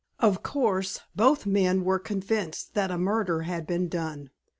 Of course, both men were convinced that murder had been done.